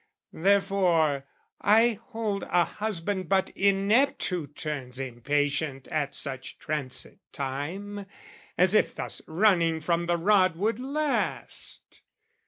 Therefore, I hold a husband but inept Who turns impatient at such transit time, As if thus running from the rod would last!